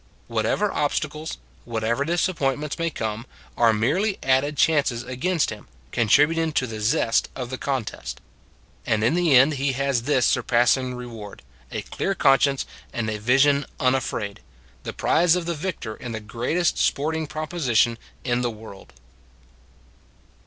Whatever obstacles, whatever disap pointments may come, are merely added chances against him, contributing to the zest of the contest. And in the end he has this surpassing reward, a clear conscience and a vision unafraid the prize of the victor in the greatest sporting proposition in the world.